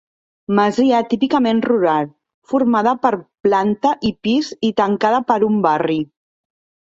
Masia típicament rural, formada per planta i pis i tancada per un barri.